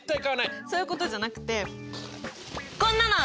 そういうことじゃなくてこんなの！